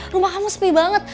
rumah kamu sepi banget